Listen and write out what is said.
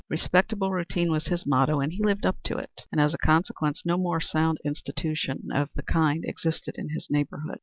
Respectable routine was his motto, and he lived up to it, and, as a consequence, no more sound institution of the kind existed in his neighborhood.